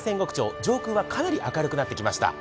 上空はかなり明るくなってきました。